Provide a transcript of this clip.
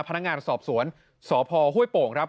พนักงานสอบสวนสพห้วยโป่งครับ